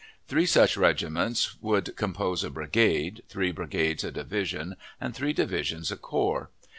Three such regiments would compose a brigade, three brigades a division, and three divisions a corps.